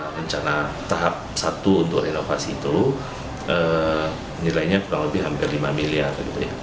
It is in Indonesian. rencana tahap satu untuk renovasi itu nilainya kurang lebih hampir lima miliar gitu ya